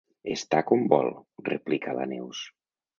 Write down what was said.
Està com vol —replica la Neus.